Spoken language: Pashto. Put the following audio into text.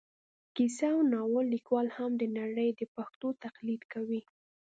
کیسه او ناول لیکوال هم د نړۍ د پېښو تقلید کوي